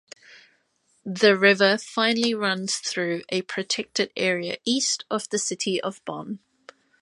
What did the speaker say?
The river finally runs through a protected area east of the city of Bonn.